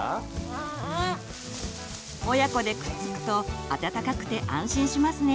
親子でくっつくと暖かくて安心しますね。